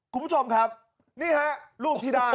คุณผู้ชมครับนี่ฮะรูปที่ได้